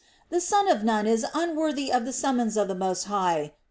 The son of Nun is unworthy of the summons of the Most High.